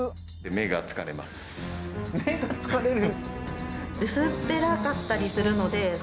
目が疲れる。